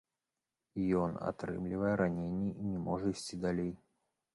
Ён атрымлівае раненне і не можа ісці далей.